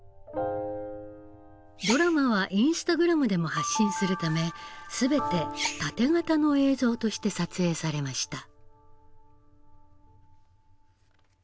ドラマはインスタグラムでも発信するため全てタテ型の映像として撮影されました。